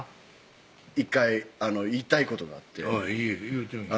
１回言いたいことがあって言うてみ